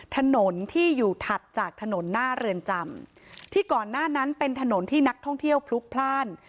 ถนนที่อยู่ถัดจากถนนหน้าเรือนจำที่ก่อนหน้านั้นเป็นถนนที่นักท่องเที่ยวพลุกพลาด